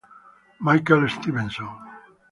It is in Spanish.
Michael Stevenson